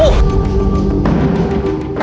โอ้โห